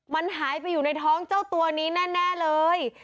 มันหายไปอยู่ในท้องเจ้าตัวนี้แน่เลย